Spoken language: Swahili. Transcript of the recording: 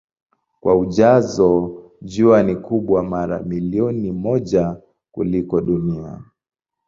Kwa ujazo Jua ni kubwa mara milioni moja kuliko Dunia.